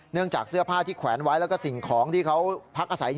จากเสื้อผ้าที่แขวนไว้แล้วก็สิ่งของที่เขาพักอาศัยอยู่